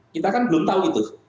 kita kan belum tahu itu